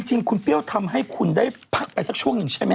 จริงคุณเปรี้ยวทำให้คุณได้พักไปสักช่วงหนึ่งใช่ไหม